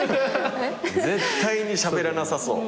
絶対にしゃべらなさそう。